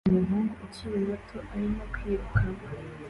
Umuhungu ukiri muto arimo kwiruka